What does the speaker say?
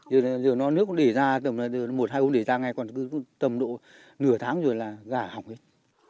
giờ nó nước cũng để ra tầm là một hai hôm để ra ngay còn tầm độ nửa tháng rồi là gà học hết